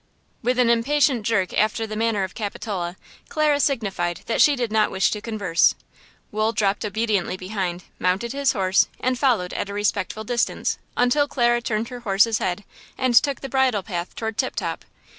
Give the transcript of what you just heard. With an impatient jerk after the manner of Capitola, Clara signified that she did not wish to converse. Wool dropped obediently behind, mounted his horse and followed at a respectful distance until Clara turned her horses head and took the bridle path toward Tip Top.